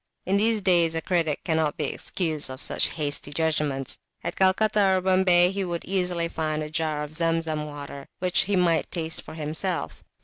In these days a critic cannot be excused for such hasty judgments; at Calcutta or Bombay he would easily find a jar of Zemzem water, which he might taste for himself.